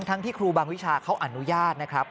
ที่ครูบางวิชาเขาอนุญาตนะครับ